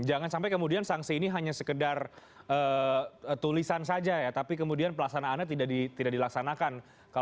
jangan sampai kemudian sanksi ini hanya sekedar tulisan saja ya tapi kemudian pelaksanaannya tidak dilaksanakan